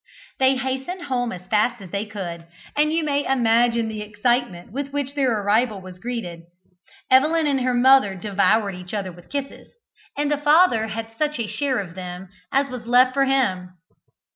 They hastened home as fast as they could, and you may imagine the excitement with which their arrival was greeted. Evelyn and her mother devoured each other with kisses, and the father had such share of them as was left for him.